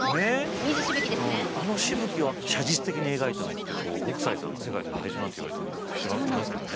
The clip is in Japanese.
あのしぶきを写実的に描いたのって北斎さんが世界で最初なんていわれてもいますからね。